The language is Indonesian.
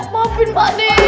maafin pak d